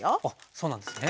そうなんですね。